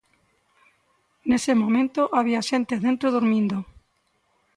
Nese momento había xente dentro, durmindo.